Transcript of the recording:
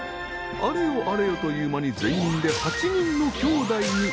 あれよあれよという間に全員で８人のきょうだいに。